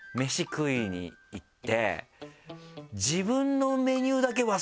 食いに行って。